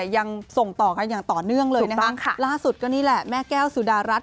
ยังส่งต่อกันอย่างต่อเนื่องเลยนะคะล่าสุดก็นี่แหละแม่แก้วสุดารัฐ